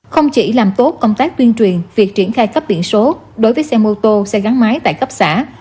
không chỉ làm tốt công tác tuyên truyền việc triển khai cấp biển số đối với xe mô tô xe gắn máy tại cấp xã